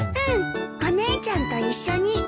うんお姉ちゃんと一緒に。